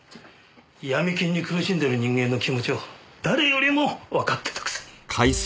ヤミ金に苦しんでる人間の気持ちを誰よりもわかってたくせに。